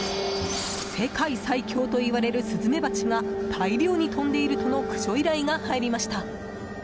世界最凶といわれるスズメバチが大量に飛んでいるとの駆除依頼が入りました。